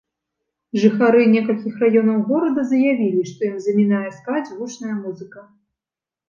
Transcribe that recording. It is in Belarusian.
Жыхары некалькіх раёнаў горада заявілі, што ім замінае спаць гучная музыка.